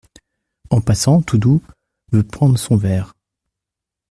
En passant, Toudoux veut prendre son verre.